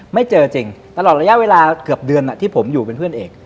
ไม่เจอจริงตลอดระยะเวลาเกือบเดือนที่ผมอยู่เป็นเพื่อนเอก